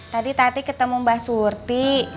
tadi tadi ketemu mbak surti